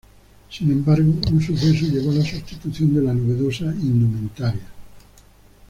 Sin embargo, un suceso llevó a la sustitución de la novedosa indumentaria.